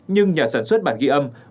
nhưng nhà sản xuất bản ghi âm